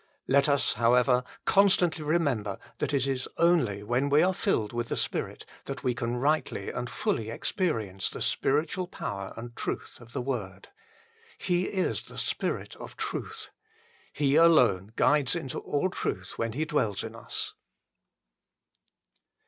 Let us, however, constantly remember that it is only when we are filled with the Spirit that we can rightly and fully experience the spiritual power and truth of the Word. He is " the Spirit of truth." He alone guides into all truth when He dwells in us.